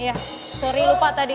iya sorry lupa tadi